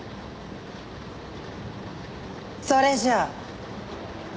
それじゃあ。